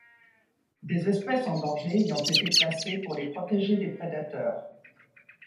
Des espèces en danger y ont été placées pour les protéger des prédateurs.